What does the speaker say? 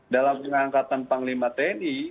dalam pengangkatan panglima tni